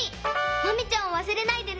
マミちゃんをわすれないでね！